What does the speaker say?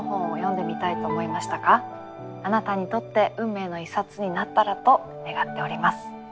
あなたにとって運命の一冊になったらと願っております。